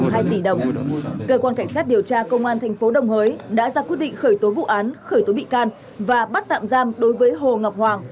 hiểu tra công an tp đồng hới đã ra quyết định khởi tố vụ án khởi tố bị can và bắt tạm giam đối với hồ ngọc hoàng